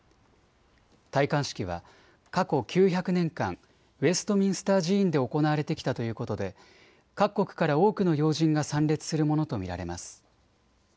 戴冠式は過去９００年間、ウェストミンスター寺院で行われてきたということで各国から多くの要人が参列するものと見られます。